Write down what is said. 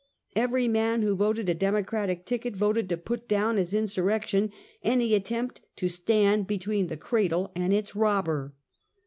Every man who voted a democratic ticket voted to put down as insurrection any attempt to stand between the cradle and its robber.